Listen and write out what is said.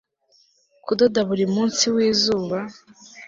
kudoda buri munsi wizuba